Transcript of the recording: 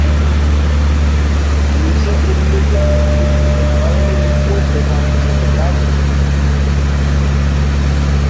নিচে উল্লিখিত ব্যক্তিগণ সেনাবাহিনীর উপ-প্রধান হিসাবে কাজ করেছেন।